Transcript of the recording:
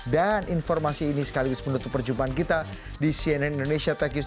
dan informasi ini sekaligus menutup perjumpaan kita di cnn indonesia tech news